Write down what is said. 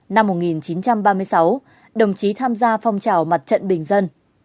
năm một nghìn chín trăm ba mươi sáu đồng chí tham gia phong trào mặt trận bình dân